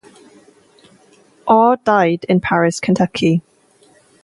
Orr died in Paris, Kentucky.